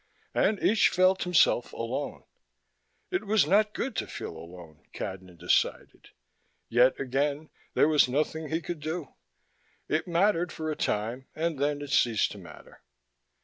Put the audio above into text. and each felt himself alone. It was not good to feel alone, Cadnan decided; yet, again, there was nothing he could do. It mattered for a time, and then it ceased to matter.